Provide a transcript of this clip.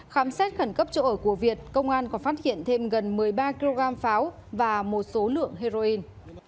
khám xét khẩn cấp chỗ ở của việt công an còn phát hiện thêm gần một mươi ba kg pháo và một số lượng heroin